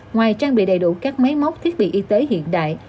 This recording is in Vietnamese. ngoài trang bị đầy đủ các máy móc thiết bị y tế hiện đại